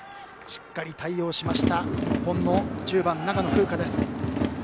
しっかり対応した日本の１０番、長野風花。